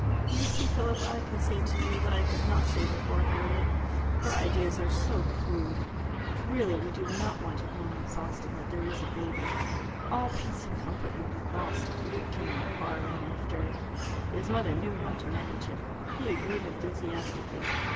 You see, Philip, I can say to you what I could not say before Harriet. Her ideas are so crude. Really we do not want it known in Sawston that there is a baby. All peace and comfort would be lost if people came inquiring after it." His mother knew how to manage him. He agreed enthusiastically.